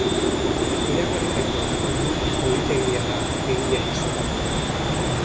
Iragarritako erreforma politegia da egia izateko.